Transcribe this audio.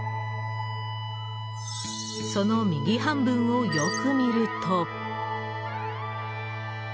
その右半分をよく見ると。